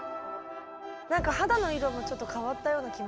何か肌の色もちょっと変わったような気も。